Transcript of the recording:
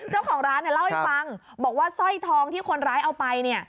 เจ้าของร้านเล่าให้ฟังบอกว่าสร้อยทองที่คนร้ายเอาไป